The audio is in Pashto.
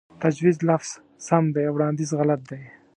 تجويز لفظ سم دے وړانديز غلط دے